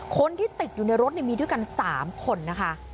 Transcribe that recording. คนที่ติดอยู่ในรถมีด้วยกัน๓คนนะคะ